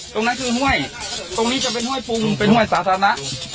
ตรงนั้นคือห้วยตรงนี้จะเป็นห้วยปรุงเป็นห้วยสาธารณะ